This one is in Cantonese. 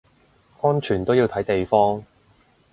安全都要睇地方